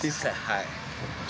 はい。